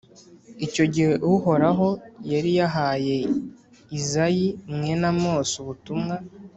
Icyo gihe Uhoraho yari yahaye Izayi mwene Amosi ubutumwa,